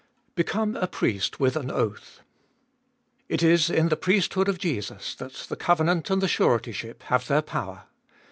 Become a Priest with an oath. It is in the priesthood of Jesus that the covenant and the suretyship have their power.